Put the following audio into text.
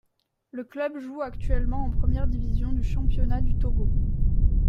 Le club joue actuellement en première division du championnat du Togo.